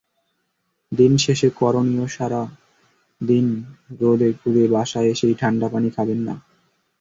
দিন শেষে করণীয়সারা দিন রোদে ঘুরে বাসায় এসেই ঠান্ডা পানি খাবেন না।